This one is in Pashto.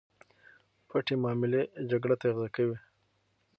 پټې معاملې جګړه تغذیه کوي.